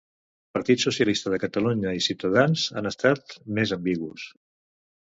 Partit Socialista de Catalunya i Cs han estat més ambigus.